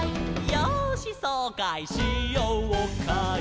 「よーしそうかいしようかい」